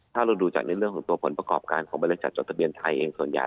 ถ้าเราดูจากในเรื่องของตัวผลประกอบการของบริษัทจดทะเบียนไทยเองส่วนใหญ่